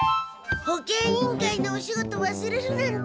保健委員会のお仕事わすれるなんて。